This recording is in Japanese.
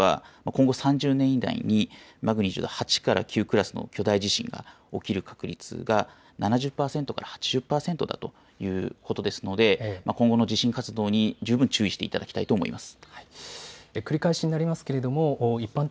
ただですね、一般的にこの地域政府の地震調査委員会では今後、３０年以内にマグニチュード８から９クラスの巨大地震が起きる確率が７０パーセントから８０パーセントだということですので、今後の地震活動に十分注意していただきたいと思います。